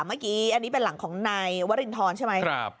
เมื่อกี้อันนี้เป็นหลังของนายวรินทรใช่ไหม